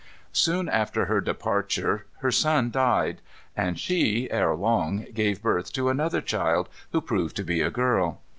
Soon after her departure her son died; and she, ere long, gave birth to another child, who proved to be a girl.